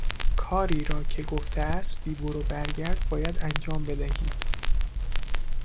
کاری را که گفته است بی برو برگرد باید انجام بدهید.